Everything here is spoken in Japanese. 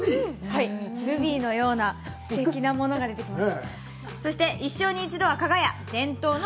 ルビーのような、すてきなものが出てきます。